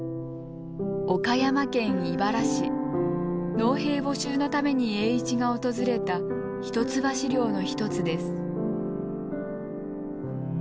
農兵募集のために栄一が訪れた一橋領の一つです。